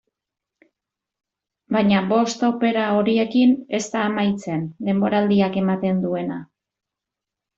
Baina bost opera horiekin ez da amaitzen denboraldiak ematen duena.